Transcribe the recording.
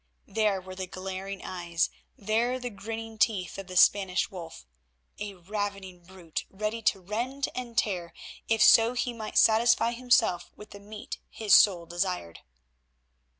There were the glaring eyes, there the grinning teeth of the Spanish wolf; a ravening brute ready to rend and tear, if so he might satisfy himself with the meat his soul desired.